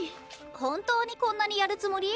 本当にこんなにやるつもり？